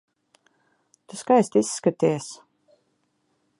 Tu skaisti izskaties.